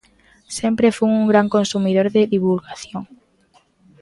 Sempre fun un gran consumidor de divulgación.